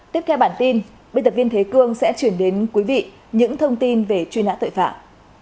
tiếp theo bản tin biên tập viên thế cương sẽ chuyển đến quý vị những thông tin về truy nã tội phạm